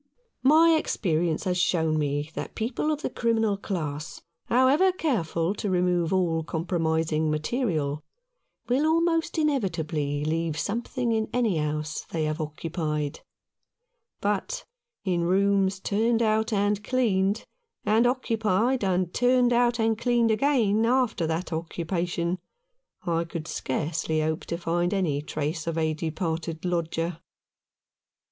My experience has shown me that people of the criminal class, how ever careful to remove all compromising material, 189 Rough Justice. will almost inevitably leave something in any house they have occupied ; but in rooms turned out and cleaned, and occupied, and turned out and cleaned again after that occupation, I could scarcely hope to find any trace of a departed lodger.